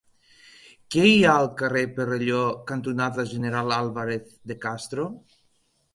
Què hi ha al carrer Perelló cantonada General Álvarez de Castro?